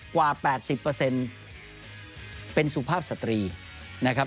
กว่า๘๐เป็นสุภาพสตรีนะครับ